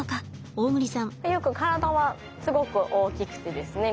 ユウ君体はすごく大きくてですね